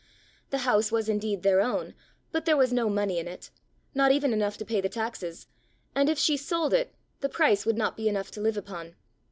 The house was indeed their own, but there was no money in it not even enough to pay the taxes; and if she sold it, the price would not be enough to live upon.